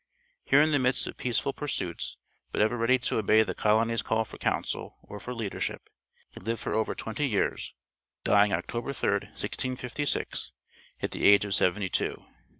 Here in the midst of peaceful pursuits, but ever ready to obey the colony's call for counsel or for leadership, he lived for over twenty years, dying October 3, 1656, at the age of seventy two.